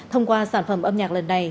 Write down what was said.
thông qua sản phẩm âm nhạc lần này